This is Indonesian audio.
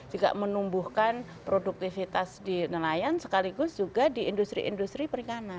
juga menumbuhkan produktivitas di nelayan sekaligus juga di industri industri perikanan